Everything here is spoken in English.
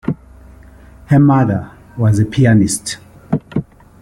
Her mother was a pianist.